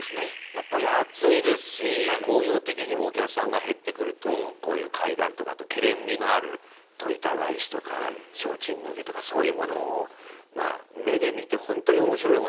やっぱり暑いですし興行的にもお客さんが減ってくるとこういう怪談とかあとけれんみのある戸板返しとか提灯抜けとかそういうものをまあ目で見て本当に面白いもんでお客さんを呼ぼうっていう。